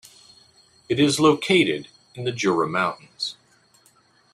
It is located in the Jura mountains.